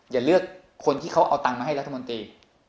อย่าเลือกคนที่เขาเอาตังค์มาให้รัฐมนตรี